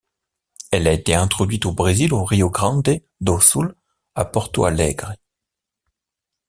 Elle a été introduite au Brésil au Rio Grande do Sul à Porto Alegre.